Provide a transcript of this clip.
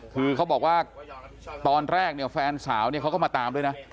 คือเขาบอกว่าตอนแรกเนี่ยแฟนสาวเนี่ยเขาก็มาตามด้วยนะ